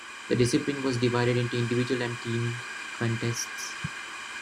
The discipline was divided into individual and team contests.